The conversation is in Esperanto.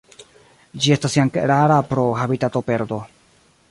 Ĝi estas jam rara pro habitatoperdo.